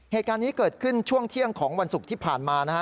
เหตุการณ์นี้เกิดขึ้นช่วงเที่ยงของวันศุกร์ที่ผ่านมานะฮะ